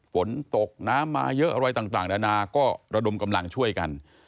ฝนตกน้ำมาเยอะอะไรต่างนานาก็ระดมกำลังช่วยกัน